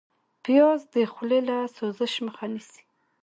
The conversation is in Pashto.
پیاز د خولې له سوزش مخه نیسي